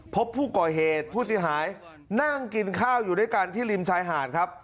พบผู้ก่อเหตุผู้เสียหายนั่งกินข้าวอยู่ด้วยกันที่ริมชายหาดครับ